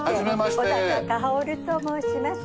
小高かほると申します。